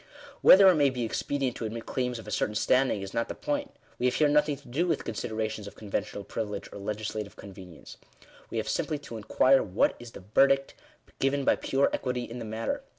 Whether it may be expedient to admit claims of a certain standing, is not the point. We have here nothing to do with considerations of conventional privilege or legislative conve nience. We have simply to inquire what is the verdict given by pure equity in the matter.